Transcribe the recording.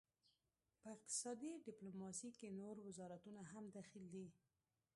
په اقتصادي ډیپلوماسي کې نور وزارتونه هم دخیل دي